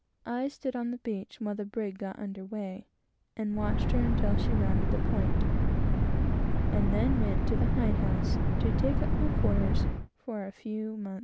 I stood on the beach while the brig got under weigh, and watched her until she rounded the point, and then went up to the hide house to take up my quarters for a few months.